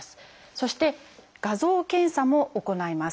そして画像検査も行います。